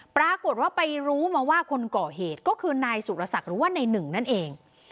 ปรากฏว่าไปรู้มาว่าคนก่อเหตุก็คือนายสุรศักดิ์หรือว่านายหนึ่งนั่นเอง